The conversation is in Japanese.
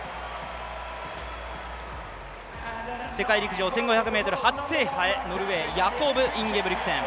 世界陸上１５００ｍ初制覇へ、ノルウェー、ヤコブ・インゲブリクセン。